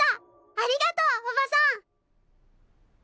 ありがとうおばさん！